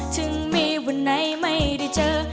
ถึงมีวันไหนไม่ได้เจอ